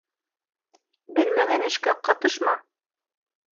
Белмәгән эшкә ҡатышма.